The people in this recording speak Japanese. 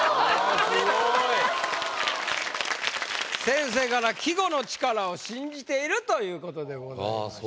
先生から「季語の力を信じている！」という事でございます。